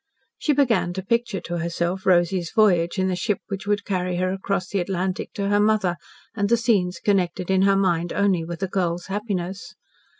She began to picture to herself Rosy's voyage in the ship which would carry her across the Atlantic to her mother and the scenes connected in her mind only with a girl's happiness.